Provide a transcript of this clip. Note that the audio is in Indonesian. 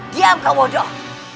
diam kau bodoh